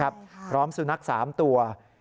พร้อมสุนัข๓ตัว